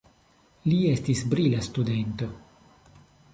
Li estis brila studento.